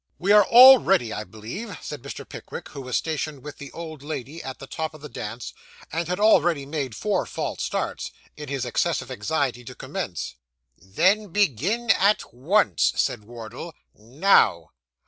'We are all ready, I believe,' said Mr. Pickwick, who was stationed with the old lady at the top of the dance, and had already made four false starts, in his excessive anxiety to commence. 'Then begin at once,' said Wardle. 'Now!